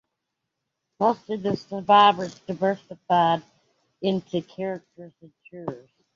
Most of the survivors diversified into charters and tours.